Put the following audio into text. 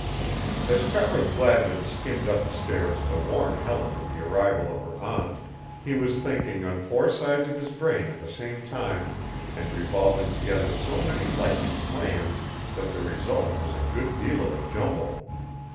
As Travers Gladwin skimmed up the stairs to warn Helen of the arrival of her aunt, he was thinking on four sides of his brain at the same time and revolving together so many lightning plans, that the result was a good deal of a jumble.